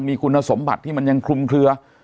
มีคุณสมบัติที่มันยังคลุมเคลือ